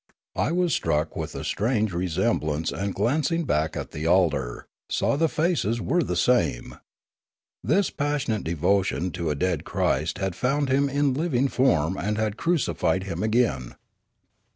I was struck with a strange re semblance and glancing back at the altar, saw the faces were the same. This passionate devotion to a dead Christ had found Him in living form and had crucified Him again.